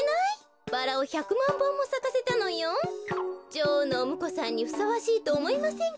女王のおむこさんにふさわしいとおもいません